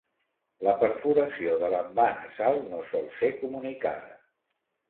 La perforació de l'envà nasal no sol ser comunicada.